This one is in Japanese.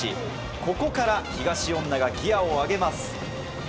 ここから東恩納がギアを上げます。